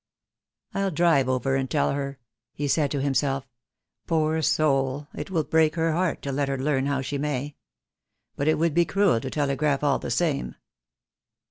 "Ill drive over and tell her," he said to himself. "Poor soul, it will break her heart, let her learn it how she may. But it would be cruel to telegraph, all the same."